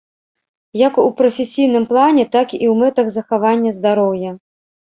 Як у прафесійным плане, так і ў мэтах захавання здароўя.